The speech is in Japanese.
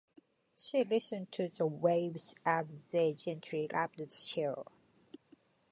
She listened to the waves as they gently lapped the shore.